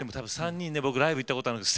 僕ライブ行ったことあるんです。